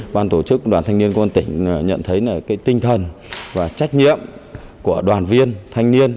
ban tổ chức đoàn thanh niên công an tỉnh nhận thấy tinh thần và trách nhiệm của đoàn viên thanh niên